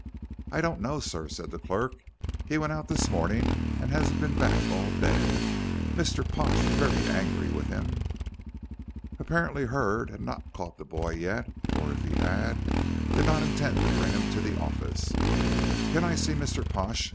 "I don't know, sir," said the clerk; "he went out this morning and hasn't been back all day. Mr. Pash is very angry with him." Apparently Hurd had not caught the boy yet, or if he had, did not intend to bring him to the office. "Can I see Mr. Pash?"